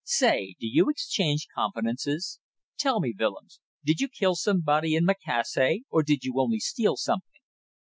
Say! do you exchange confidences? Tell me, Willems, did you kill somebody in Macassar or did you only steal something?"